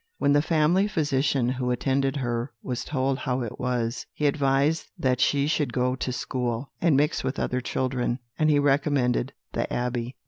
When the family physician who attended her was told how it was, he advised that she should go to school, and mix with other children, and he recommended The Abbey.